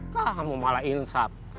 kamu malah insap